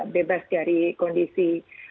bebas dari kondisi